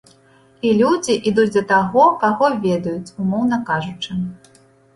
І людзі ідуць да таго, каго ведаюць, умоўна кажучы.